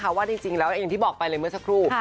เพราะว่าจริงแล้วอย่างที่บอกไปเลยเมื่อสักครู่